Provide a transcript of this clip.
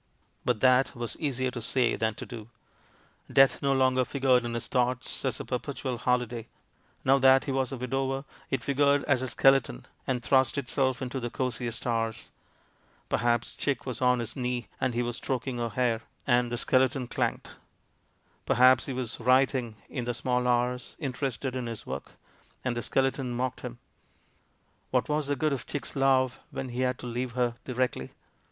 But that was easier to say than to do. Death no longer figured in his thoughts as a perpetual holiday; now that he was a widower, it figured as a skeleton, and thrust itself into the cosiest hours. Perhaps Chick was on his knee and he was stroking her hair — and the skeleton clanked. Perhaps he was writing, in the small hours, in terested in his work — and the skeleton mocked WITH INTENT TO DEFRAUD 233 him. What was the good of Chick's love, when he had to leave her directly?